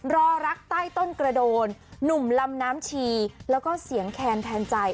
รอรักใต้ต้นกระโดนหนุ่มลำน้ำชีแล้วก็เสียงแคนแทนใจ